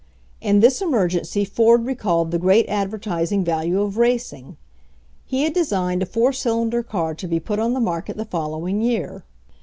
In this emergency Ford recalled the great ad vertising value of racing. He had designed a four cylinder car to be put on the market the fol lowing year.